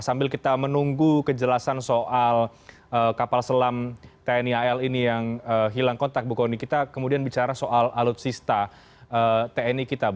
sambil kita menunggu kejelasan soal kapal selam tni al ini yang hilang kontak bu kony kita kemudian bicara soal alutsista tni kita bu